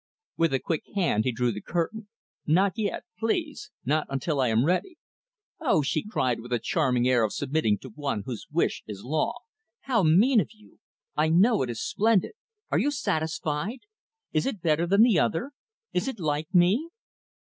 With a quick hand, he drew the curtain. "Not yet; please not until I am ready." "Oh!" she cried with a charming air of submitting to one whose wish is law, "How mean of you! I know it is splendid! Are you satisfied? Is it better than the other? Is it like me?"